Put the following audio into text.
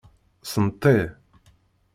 Senṭi.